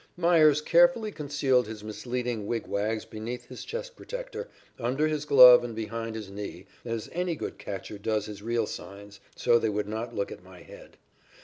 Meyers carefully concealed his misleading wig wags beneath his chest protector, under his glove and behind his knee, as any good catcher does his real signs, so they would not look at my head.